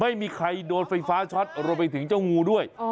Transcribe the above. ไม่มีใครโดนไฟฟ้าช็อตรวมไปถึงเจ้างูด้วย